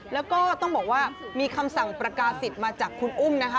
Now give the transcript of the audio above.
แล้วก็ต้องบอกว่ามีคำสั่งประกาศิษย์มาจากคุณอุ้มนะคะ